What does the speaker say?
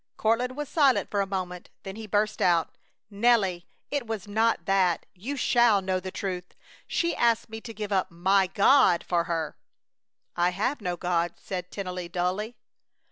Courtland was silent for a moment, then he burst out: "Nelly! It was not that! You shall know the truth! She asked me to give up my God for her!" "I have no God," said Tennelly, dully.